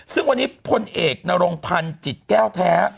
ซึ่งวันนี้พลเอกนรงพันธ์จิตแก้วแท้